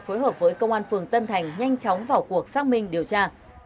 phối hợp với công an phường tân thành nhanh chóng vào cuộc xác minh điều tra